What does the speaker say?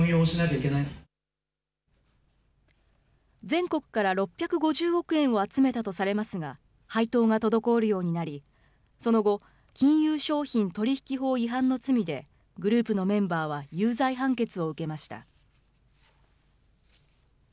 全国から６５０億円を集めたとされますが、配当が滞るようになり、その後、金融商品取引法違反の罪で、グループのメンバーは有罪判決を受けました。